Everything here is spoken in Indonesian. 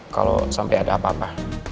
kalo sampe ada apa apa